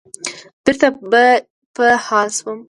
بېرته به په حال شوم.